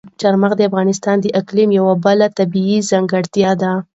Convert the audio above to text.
چار مغز د افغانستان د اقلیم یوه بله طبیعي ځانګړتیا ده.